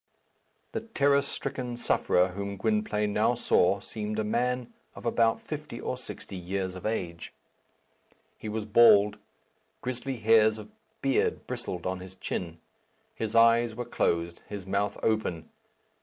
The terror stricken sufferer whom Gwynplaine now saw seemed a man of about fifty or sixty years of age. He was bald. Grizzly hairs of beard bristled on his chin. His eyes were closed, his mouth open.